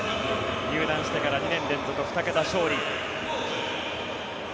入団してから２年連続２桁勝利。